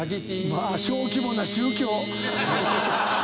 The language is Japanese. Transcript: まあ小規模な宗教！